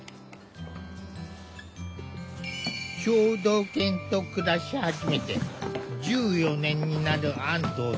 聴導犬と暮らし始めて１４年になる安藤さん。